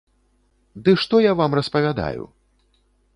Ды што я вам распавядаю?